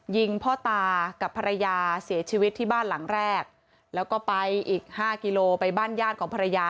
ยิงพ่อตากับภรรยาเสียชีวิตที่บ้านหลังแรกแล้วก็ไปอีกห้ากิโลไปบ้านญาติของภรรยา